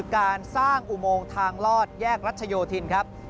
การสร้างอุโมงทางลอดแยกรัชโยธินครับ